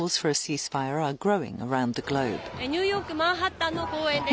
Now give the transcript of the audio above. ニューヨーク・マンハッタンの公園です。